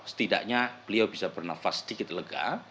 setidaknya beliau bisa bernafas sedikit lega